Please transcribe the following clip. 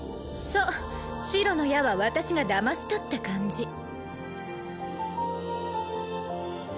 そう白の矢は私がだまし取った感じ